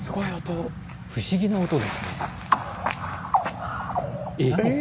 不思議な音ですね。